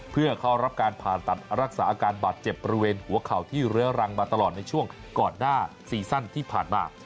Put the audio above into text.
เพื่อเข้ารับการผ่าตัดรักษาอาการบาดเจ็บบริเวณหัวเข่าที่เรื้อรังมาตลอดในช่วงก่อนหน้าซีซั่นที่ผ่านมา